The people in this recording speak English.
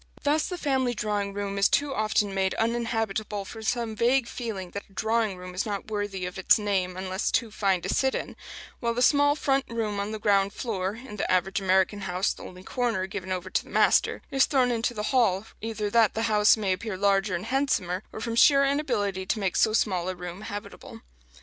Thus the family drawing room is too often made uninhabitable from some vague feeling that a "drawing room" is not worthy of its name unless too fine to sit in; while the small front room on the ground floor in the average American house the only corner given over to the master is thrown into the hall, either that the house may appear larger and handsomer, or from sheer inability to make so small a room habitable.